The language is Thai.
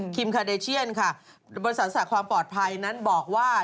คาเดเชียนค่ะบริษัทสระความปลอดภัยนั้นบอกว่า